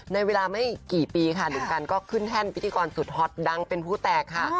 ในเวลาไม่กี่ปีค่ะหนุ่มกันก็ขึ้นแท่นพิธีกรสุดฮอตดังเป็นผู้แตกค่ะ